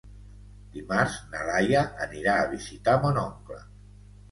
Dimarts na Laia anirà a visitar mon oncle.